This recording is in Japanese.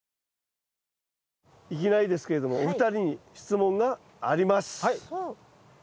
いきなりですけれどもお二人に質問があります。